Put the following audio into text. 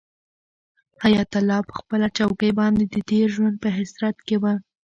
حیات الله په خپله چوکۍ باندې د تېر ژوند په حسرت کې و.